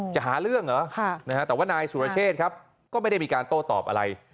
จะหาเรื่องเหรอแต่ว่านายสุรเชษครับก็ไม่ได้มีการโต้ตอบอะไร